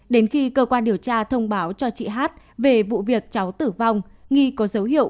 đến khi cơ quan điều tra thông báo cho chị hát về vụ việc cháu tử vong nghi có dấu hiệu